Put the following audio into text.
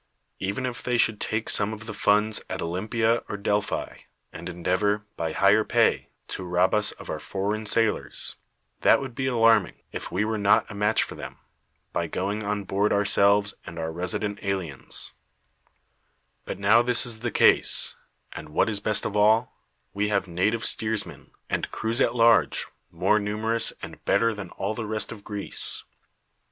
Even if they should take some of the funds at Olympia or Delphi, and endeavor, by higher pay, to rob us of our foreign sailors, that would lie alarming, if we were not a match for them, by going on l)oard ourselves and our resident aliens; but now this is the case; and, what is best of all, we have native steersmen, and crews in THE WORLD'S FAMOUS ORATIONS at large, more numerous and better than all the rest of Greece.